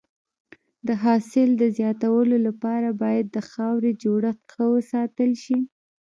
د حاصل د زیاتوالي لپاره باید د خاورې جوړښت ښه وساتل شي.